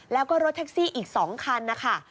แล้วก็รถแท็กซี่อีก๒คันนะคะ